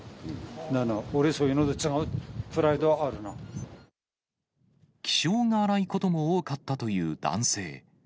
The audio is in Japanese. だから、俺そういうのと違うって、気性が荒いことも多かったという男性。